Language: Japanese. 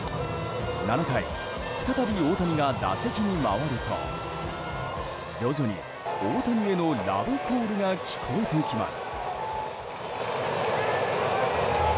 ７回、再び大谷が打席に回ると徐々に大谷へのラブコールが聞こえてきます。